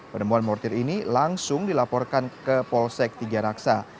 penemuan mortir ini langsung dilaporkan ke polsek tiga raksa